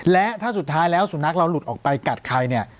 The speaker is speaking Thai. และถ้าสุดท้ายแล้วสุนัขเราหลุดออกไปกัดใครเนี่ย